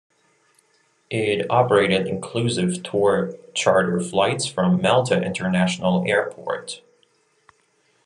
It operated inclusive tour charter flights from Malta International Airport.